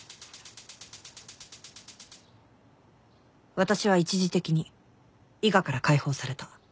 私は一時的に伊賀から解放された